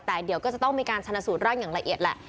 แต่เดี๋ยวก็จะต้องมีการชนะสูตรร่างอย่างละเอียดแหละ